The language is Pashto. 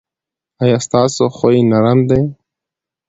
ایا ستاسو خوی نرم دی؟